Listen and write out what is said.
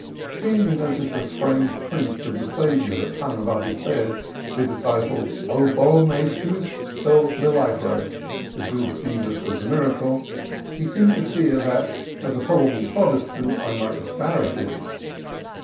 Seeing me notice a framed print of the Saviour that hung above his bed, with the title, u Bom Jesus do Milagre" (the Good Jesus of the Miracle) he seemed to fear that, as a probable Protestant, I might disparage it.